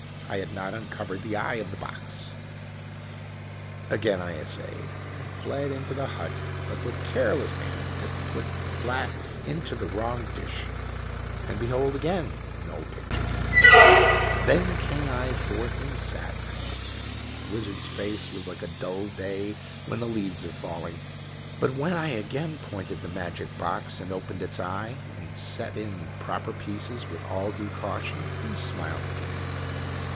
I had not uncovered the eye of the box ! Again I essayed, and fled into the hut, but with careless hand did put the flat into the wrong dish. And behold again no pic ture came ! Then came I forth in sadness. The wizard's face was like a dull day when the leaves are fall ing. But when I again pointed the magic box, and opened its eye, and set in the proper pieces with all due caution, he smiled again.